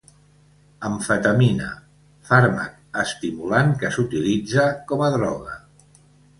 Amfetamina, fàrmac estimulant que s'utilitza com a droga.